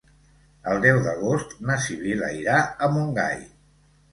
El deu d'agost na Sibil·la irà a Montgai.